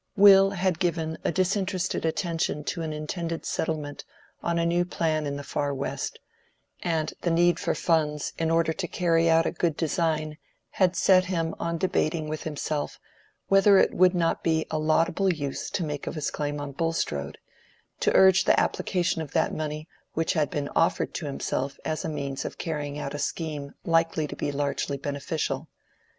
Will had given a disinterested attention to an intended settlement on a new plan in the Far West, and the need for funds in order to carry out a good design had set him on debating with himself whether it would not be a laudable use to make of his claim on Bulstrode, to urge the application of that money which had been offered to himself as a means of carrying out a scheme likely to be largely beneficial.